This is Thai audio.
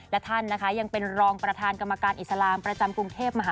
และท่านนะคะยังเป็นรองประธานกรรมการอิสลามประจำกรุงเทพมหานคร